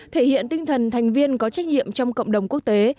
thể hiện tinh thần thành viên có trách nhiệm trong cộng đồng quốc tế